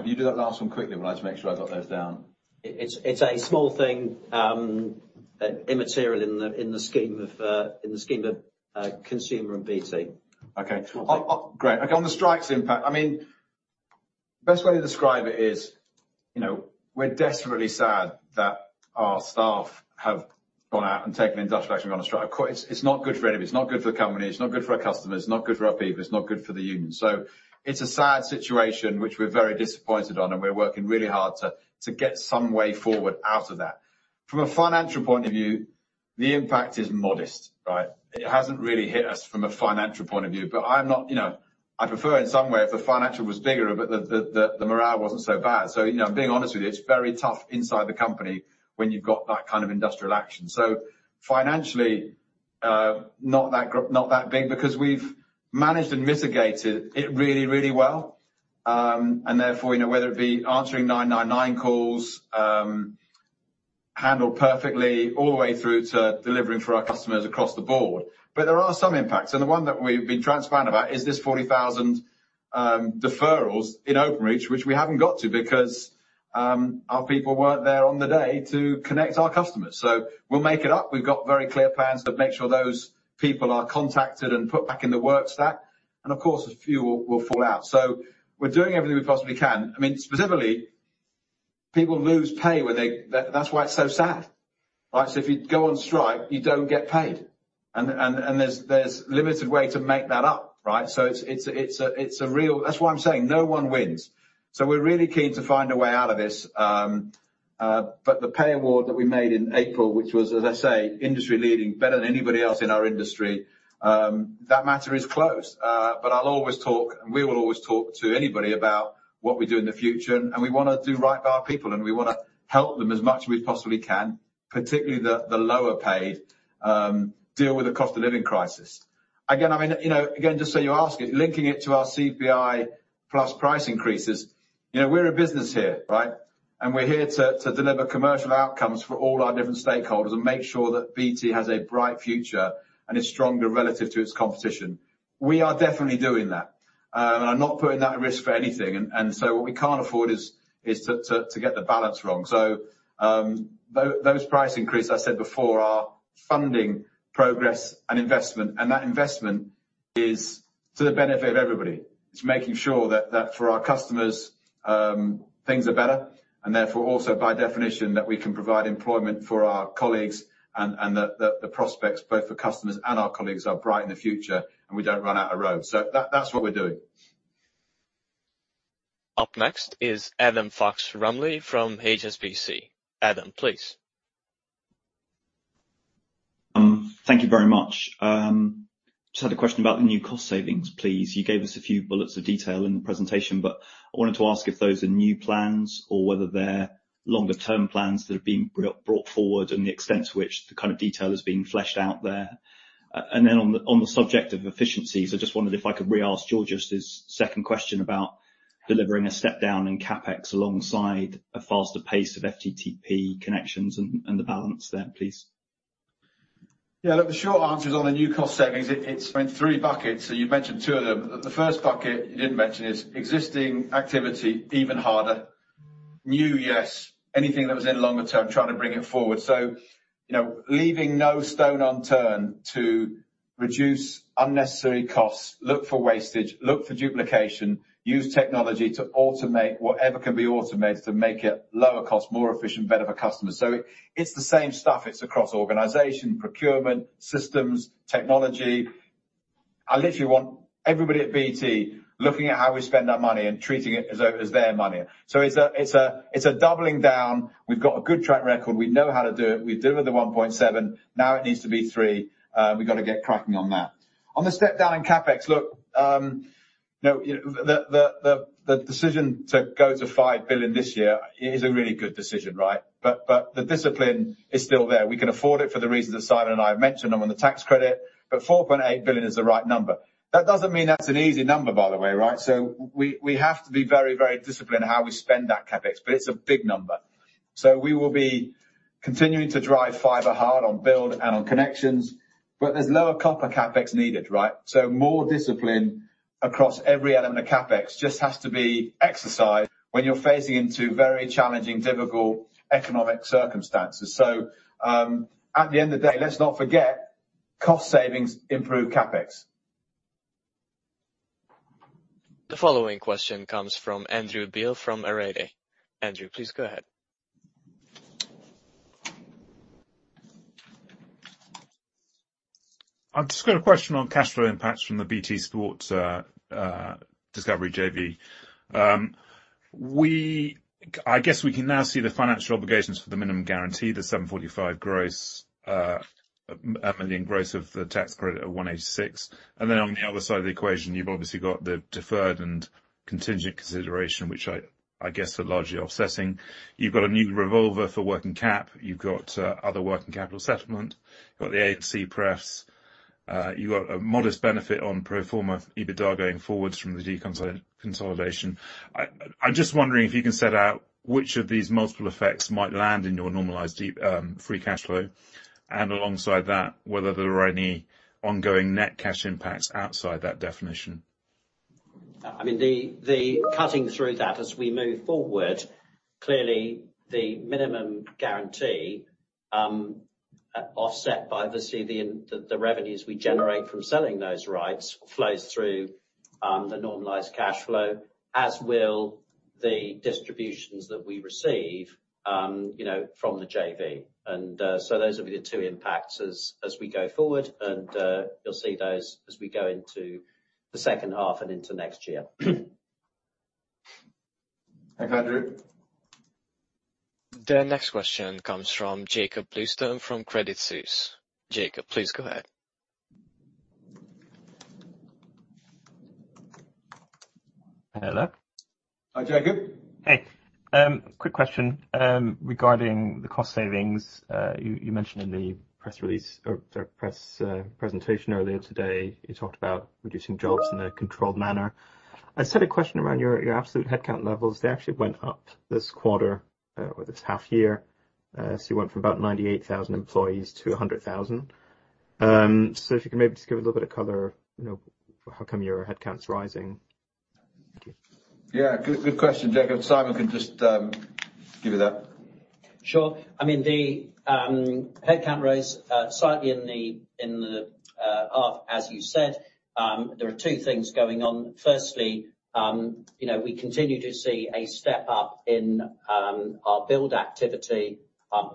can you do that last one quickly? Well, I just make sure I got those down. It's a small thing, immaterial in the scheme of consumer and BT. Okay. Small thing. Great. Okay, on the strike's impact, I mean, best way to describe it is, you know, we're desperately sad that our staff have gone out and taken industrial action and gone on strike. Of course, it's not good for anybody. It's not good for the company, it's not good for our customers, it's not good for our people, it's not good for the union. It's a sad situation, which we're very disappointed on, and we're working really hard to get some way forward out of that. From a financial point of view, the impact is modest, right? It hasn't really hit us from a financial point of view. But I'm not. I prefer in some way if the financial was bigger, but the morale wasn't so bad. You know, I'm being honest with you, it's very tough inside the company when you've got that kind of industrial action. Financially, not that big because we've managed and mitigated it really, really well. Therefore, you know, whether it be answering 999 calls, handled perfectly all the way through to delivering for our customers across the board. There are some impacts, and the one that we've been transparent about is this 40,000 deferrals in Openreach, which we haven't got to because our people weren't there on the day to connect our customers. We'll make it up. We've got very clear plans to make sure those people are contacted and put back in the work stack, and of course, a few will fall out. We're doing everything we possibly can. I mean, specifically, people lose pay. That's why it's so sad. All right. If you go on strike, you don't get paid. There's limited way to make that up, right. We're really keen to find a way out of this, but the pay award that we made in April, which was, as I say, industry leading, better than anybody else in our industry, that matter is closed. I'll always talk, and we will always talk to anybody about what we do in the future, and we wanna do right by our people, and we wanna help them as much as we possibly can, particularly the lower paid deal with the cost of living crisis. Again, I mean, you know, again, just so you know it, linking it to our CPI plus price increases. You know, we're a business here, right? We're here to deliver commercial outcomes for all our different stakeholders and make sure that BT has a bright future and is stronger relative to its competition. We are definitely doing that. I'm not putting that at risk for anything. What we can't afford is to get the balance wrong. Those price increases, I said before, are funding progress and investment. That investment is to the benefit of everybody. It's making sure that for our customers things are better, and therefore also by definition, that we can provide employment for our colleagues and the prospects both for customers and our colleagues are bright in the future, and we don't run out of road. That's what we're doing. Up next is Adam Fox-Rumley from HSBC. Adam, please. Thank you very much. Just had a question about the new cost savings, please. You gave us a few bullets of detail in the presentation, but I wanted to ask if those are new plans or whether they're longer-term plans that are being brought forward and the extent to which the kind of detail is being fleshed out there. On the subject of efficiencies, I just wondered if I could re-ask George's second question about delivering a step down in CapEx alongside a faster pace of FTTP connections and the balance there, please. Yeah. Look, the short answer is on the new cost savings, it's in three buckets. You've mentioned two of them. The first bucket you didn't mention is existing activity even harder. New, yes. Anything that was in longer term, trying to bring it forward. You know, leaving no stone unturned to reduce unnecessary costs, look for wastage, look for duplication, use technology to automate whatever can be automated to make it lower cost, more efficient, better for customers. It's the same stuff. It's across organization, procurement, systems, technology. I literally want everybody at BT looking at how we spend our money and treating it as though it was their money. It's a doubling down. We've got a good track record. We know how to do it. We've delivered the 1.7, now it needs to be 3. We've gotta get cracking on that. On the step down in CapEx, look, you know, the decision to go to 5 billion this year is a really good decision, right? The discipline is still there. We can afford it for the reasons that Simon and I have mentioned and on the tax credit, but 4.8 billion is the right number. That doesn't mean that's an easy number, by the way, right? We have to be very, very disciplined in how we spend that CapEx, but it's a big number. We will be continuing to drive fiber hard on build and on connections, but there's lower copper CapEx needed, right? More discipline across every element of CapEx just has to be exercised when you're phasing into very challenging, difficult economic circumstances. At the end of the day, let's not forget, cost savings improve CapEx. The following question comes from Andrew Beale from Arete. Andrew, please go ahead. I've just got a question on cash flow impacts from the BT Sport Warner Bros. Discovery JV. I guess we can now see the financial obligations for the minimum guarantee, the 74.5 million gross of the tax credit at 186. Then on the other side of the equation, you've obviously got the deferred and contingent consideration, which I guess are largely offsetting. You've got a new revolver for working cap. You've got other working capital settlement. You've got the AFC prefs. You've got a modest benefit on pro forma EBITDA going forwards from the deconsolidation. I'm just wondering if you can set out which of these multiple effects might land in your normalized free cash flow. Alongside that, whether there are any ongoing net cash impacts outside that definition. I mean, the cutting through that as we move forward, clearly the minimum guarantee, offset by obviously the revenues we generate from selling those rights flows through, the normalized cash flow, as will the distributions that we receive, you know, from the JV. Those will be the two impacts as we go forward, and you'll see those as we go into the second half and into next year. Thank you, Andrew. The next question comes from Jakob Bluestone from Credit Suisse. Jakob, please go ahead. Hello? Hi, Jakob. Hey. Quick question regarding the cost savings. You mentioned in the press release or the press presentation earlier today you talked about reducing jobs in a controlled manner. I just had a question around your absolute headcount levels. They actually went up this quarter or this half year. You went from about 98,000 employees to 100,000. If you can maybe just give a little bit of color, you know, how come your headcount's rising? Thank you. Yeah, good question, Jakob. Simon can just give you that. Sure. I mean, the headcount rose slightly in the half, as you said. There are two things going on. Firstly, you know, we continue to see a step up in our build activity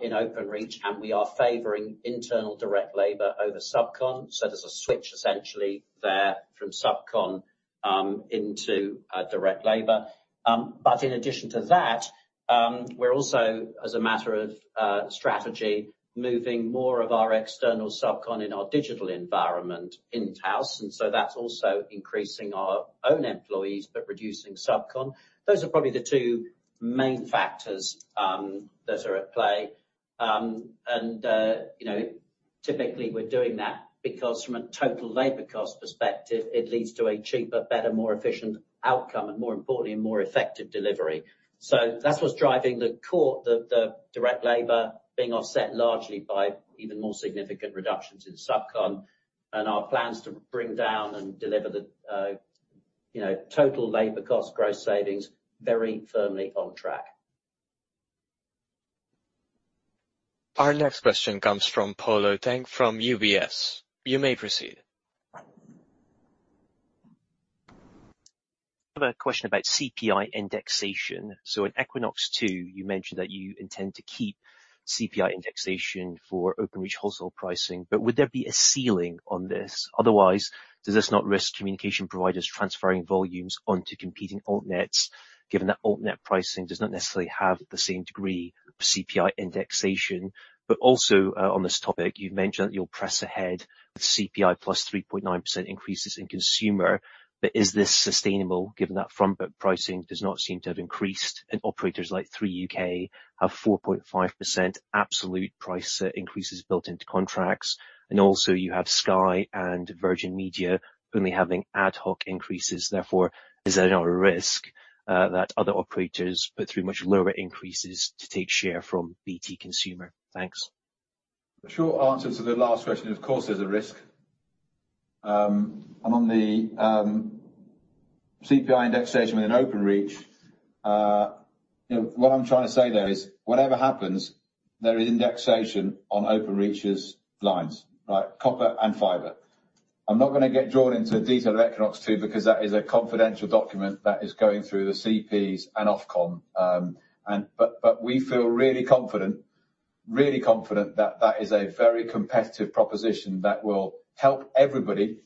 in Openreach, and we are favoring internal direct labor over subcon. So there's a switch essentially there from subcon into direct labor. In addition to that, we're also, as a matter of strategy, moving more of our external subcon in our digital environment in-house, and so that's also increasing our own employees, but reducing subcon. Those are probably the two main factors that are at play. You know, typically we're doing that because from a total labor cost perspective, it leads to a cheaper, better, more efficient outcome, and more importantly, a more effective delivery. That's what's driving the core, the direct labor being offset largely by even more significant reductions in subcon and our plans to bring down and deliver the, you know, total labor cost growth savings very firmly on track. Our next question comes from Polo Tang from UBS. You may proceed. I have a question about CPI indexation. In Equinox 2, you mentioned that you intend to keep CPI indexation for Openreach wholesale pricing, but would there be a ceiling on this? Otherwise, does this not risk communication providers transferring volumes onto competing AltNets, given that AltNet pricing does not necessarily have the same degree of CPI indexation? On this topic, you've mentioned that you'll press ahead with CPI plus 3.9% increases in Consumer, but is this sustainable given that front book pricing does not seem to have increased and operators like 3UK have 4.5% absolute price increases built into contracts? You have Sky and Virgin Media only having ad hoc increases. Therefore, is there not a risk that other operators put through much lower increases to take share from BT Consumer? Thanks. The short answer to the last question, of course, there's a risk. And on the CPI indexation with Openreach, you know, what I'm trying to say, though, is whatever happens, there is indexation on Openreach's lines. Right, copper and fiber. I'm not gonna get drawn into the detail of Equinox 2 because that is a confidential document that is going through the CPs and Ofcom. But we feel really confident that that is a very competitive proposition that will help everybody,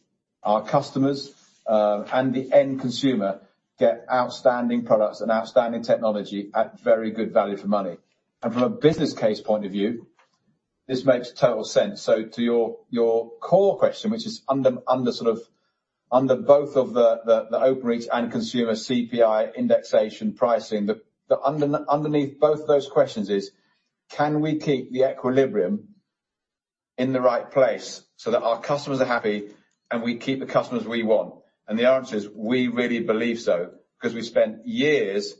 our customers, and the end consumer get outstanding products and outstanding technology at very good value for money. From a business case point of view, this makes total sense. To your core question, which is under sort of... Under both of the Openreach and consumer CPI indexation pricing, the underneath both of those questions is: Can we keep the equilibrium in the right place so that our customers are happy and we keep the customers we want? The answer is we really believe so, 'cause we've spent years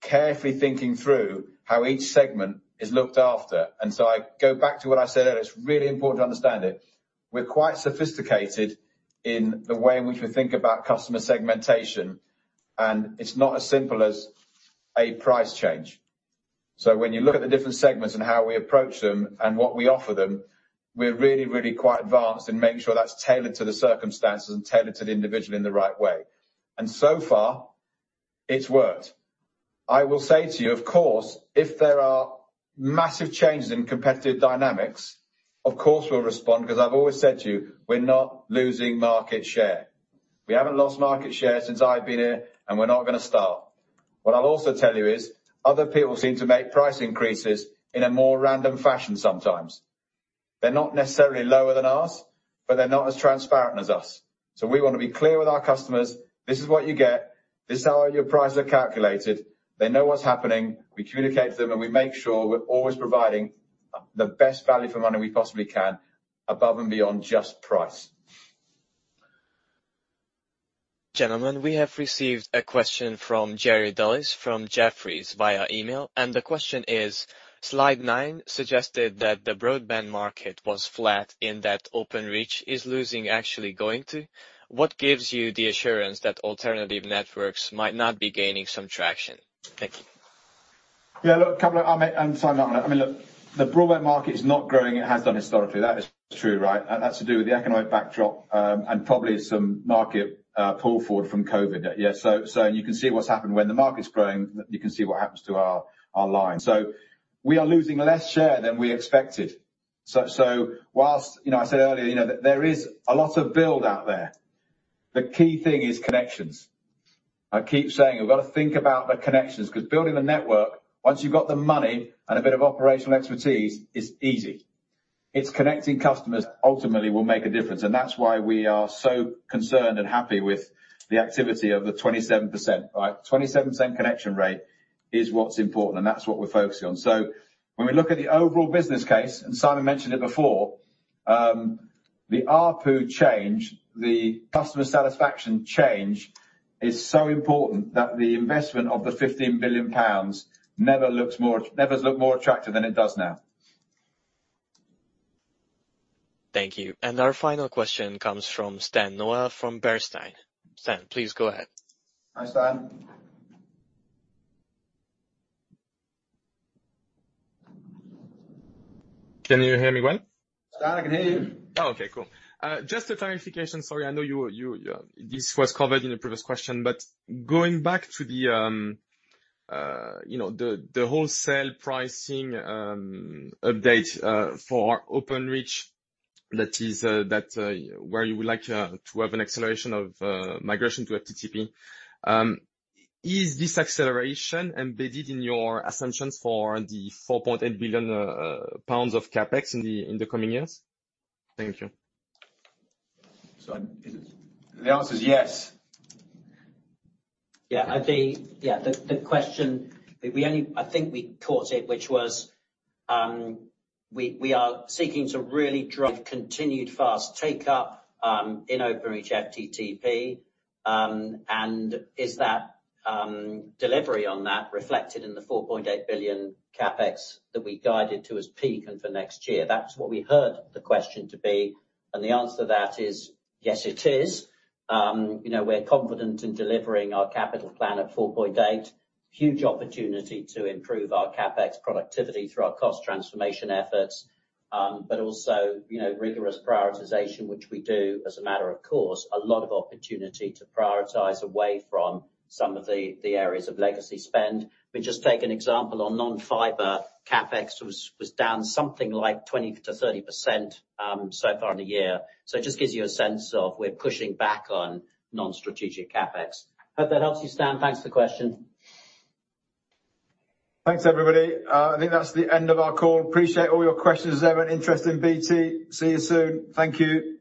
carefully thinking through how each segment is looked after. I go back to what I said earlier. It's really important to understand it. We're quite sophisticated in the way in which we think about customer segmentation, and it's not as simple as a price change. When you look at the different segments and how we approach them and what we offer them, we're really, really quite advanced in making sure that's tailored to the circumstances and tailored to the individual in the right way. So far it's worked. I will say to you, of course, if there are massive changes in competitive dynamics, of course we'll respond, 'cause I've always said to you, we're not losing market share. We haven't lost market share since I've been here, and we're not gonna start. What I'll also tell you is other people seem to make price increases in a more random fashion sometimes. They're not necessarily lower than ours, but they're not as transparent as us. We wanna be clear with our customers, this is what you get, this is how your prices are calculated. They know what's happening. We communicate to them, and we make sure we're always providing the best value for money we possibly can, above and beyond just price. Gentlemen, we have received a question from Jerry Dellis from Jefferies via email, and the question is: Slide nine suggested that the broadband market was flat in that Openreach is losing actual ground to. What gives you the assurance that alternative networks might not be gaining some traction? Thank you. Yeah, look. Simon, I mean, look, the broadband market is not growing. It has done historically. That is true, right? That's to do with the economic backdrop, and probably some market pull forward from COVID. Yeah, so you can see what's happened when the market's growing, you can see what happens to our line. So we are losing less share than we expected. So whilst, you know, I said earlier, you know, there is a lot of build out there, the key thing is connections. I keep saying we've gotta think about the connections, 'cause building the network, once you've got the money and a bit of operational expertise, is easy. It's connecting customers ultimately will make a difference, and that's why we are so concerned and happy with the activity of the 27%. Right? 27% connection rate is what's important, and that's what we're focusing on. When we look at the overall business case, and Simon mentioned it before, the ARPU change, the customer satisfaction change is so important that the investment of 15 billion pounds never looked more attractive than it does now. Thank you. Our final question comes from Stanislas Noel from Bernstein. Stan, please go ahead. Hi, Stan. Can you hear me well? Stan, I can hear you. Oh, okay. Cool. Just a clarification. Sorry, I know this was covered in a previous question, but going back to the, you know, the wholesale pricing update for Openreach that is where you would like to have an acceleration of migration to FTTP. Is this acceleration embedded in your assumptions for the 4.8 billion pounds of CapEx in the coming years? Thank you. The answer is yes. Yeah. I think yeah, the question I think we caught it, which was, we are seeking to really drive continued fast take up in Openreach FTTP, and is that delivery on that reflected in the 4.8 billion CapEx that we guided to as peak and for next year. That's what we heard the question to be. The answer to that is, yes, it is. You know, we're confident in delivering our capital plan at 4.8 billion. Huge opportunity to improve our CapEx productivity through our cost transformation efforts. Also, you know, rigorous prioritization, which we do as a matter of course, a lot of opportunity to prioritize away from some of the areas of legacy spend. We just take an example on non-fiber CapEx was down something like 20%-30%, so far in a year. It just gives you a sense of we're pushing back on non-strategic CapEx. Hope that helps you, Stan. Thanks for the question. Thanks, everybody. I think that's the end of our call. Appreciate all your questions, everyone, interest in BT. See you soon. Thank you.